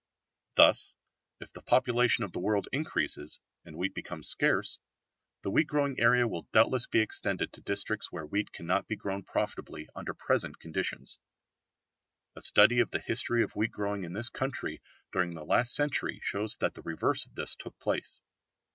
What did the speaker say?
Thus if the population of the world increases, and wheat becomes scarce, the wheat growing area will doubtless be extended to districts where wheat cannot be grown profitably under present conditions. A study of the history of wheat growing in this country during the last century shows that the reverse of this took place.